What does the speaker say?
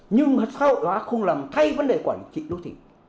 nhưng xã hội hóa không làm thay vấn đề quản trị đô thị